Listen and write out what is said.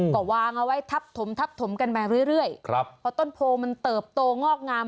ก็วางเอาไว้ทับถมทับถมกันมาเรื่อยครับเพราะต้นโพมันเติบโตงอกงาม